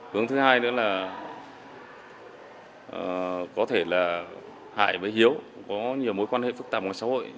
hướng thứ hai nữa là có thể là hại với hiếu có nhiều mối quan hệ phức tạp ở xã hội